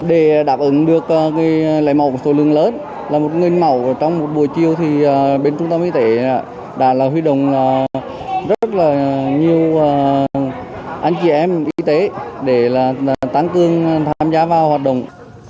để đáp ứng được lấy mẫu số lượng lớn là một mẫu trong một buổi chiều thì bên trung tâm y tế đã huy động rất là nhiều anh chị em y tế để tăng cường tham gia vào hoạt động